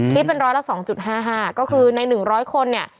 คิดเป็นร้อยละ๒๕๕ก็คือใน๑๐๐คนเนี่ย